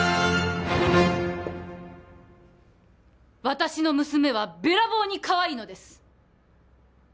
私の娘はべらぼうにかわいいのです！